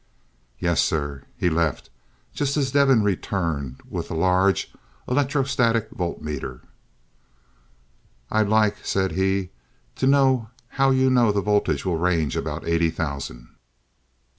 "Yes, sir." He left, just as Devin returned with a large electrostatic voltmeter. "I'd like," said he, "to know how you know the voltage will range around eighty thousand."